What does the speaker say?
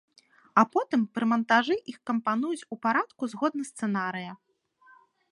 А потым пры мантажы іх кампануюць у парадку згодна сцэнарыя.